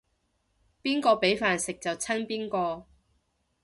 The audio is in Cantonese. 邊個畀飯食就親邊個